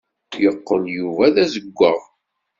Yeqqel Yuba d azewwaɣ.